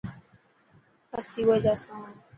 اسين اواجا سان.